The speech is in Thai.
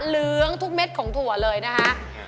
เหลืองทุกเม็ดของถั่วเลยนะคะ